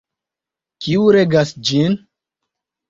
Kiu regas ĝin?